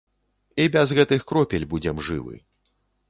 І без гэтых кропель будзем жывы.